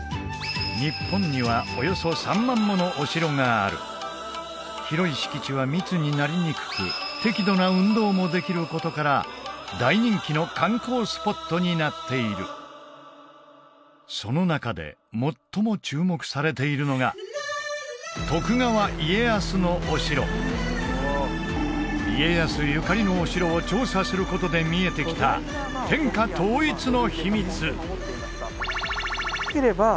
日本にはおよそ３万ものお城がある広い敷地は密になりにくく適度な運動もできることから大人気の観光スポットになっているその中で最も注目されているのが徳川家康のお城家康ゆかりのお城を調査することで見えてきた天下統一の秘密